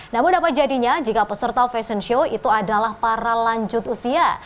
namun apa jadinya jika peserta fashion show itu adalah para lanjut usia